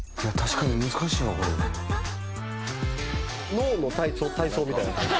脳の体操体操みたいな。